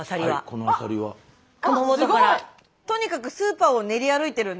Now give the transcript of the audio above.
とにかくスーパーを練り歩いてるんで